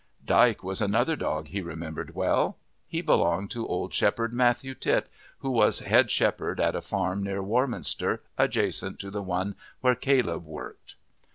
Dyke was another dog he remembered well. He belonged to old Shepherd Matthew Titt, who was head shepherd at a farm near Warminster, adjacent to the one where Caleb worked.